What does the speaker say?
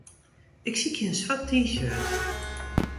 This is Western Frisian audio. Ik sykje in swart T-shirt.